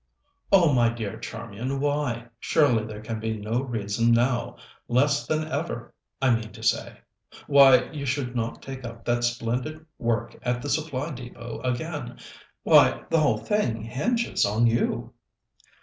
"Oh, my dear Charmian, why? Surely there can be no reason now less than ever, I mean to say why you should not take up that splendid work at the Supply Depôt again. Why, the whole thing hinges on you."